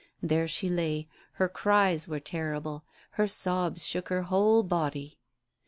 There she lay; her cries were terrible, her sobs shook her whole body.